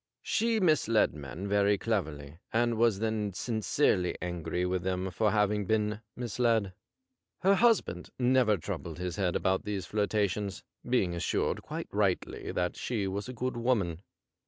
She misled men very cleverly, and was then sincerely angry with them for having been misled. Her husband never troubled his head about these flirtations, being assured quite rightly that she was a good woman.